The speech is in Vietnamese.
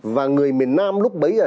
và người miền nam lúc bấy giờ